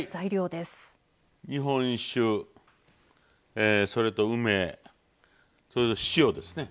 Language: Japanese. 日本酒それと梅それと塩ですね。